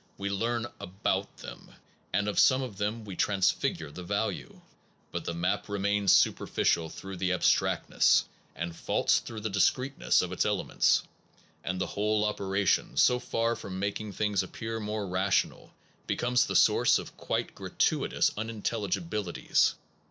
We learn about them, and of some of them we transfigure the value; but the map remains superficial through the abstractness, and false through the discreteness of its elements; and the whole operation, so far from making things appear more rational, becomes the source of quite gratuitous unintelligibilities.